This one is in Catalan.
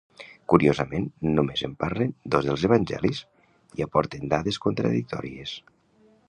Curiosament, només en parlen dos dels evangelis i aporten dades contradictòries.